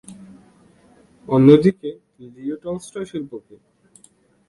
অন্যদিকে, Leo Tolstoy শিল্প কি?